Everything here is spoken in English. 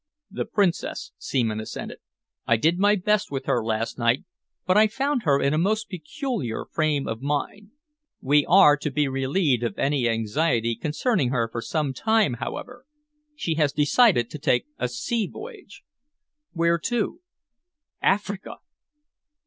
"The Princess," Seaman assented. "I did my best with her last night, but I found her in a most peculiar frame of mind. We are to be relieved of any anxiety concerning her for some time, however. She has decided to take a sea voyage." "Where to?" "Africa!"